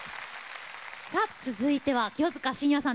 さあ続いては清塚信也さんです。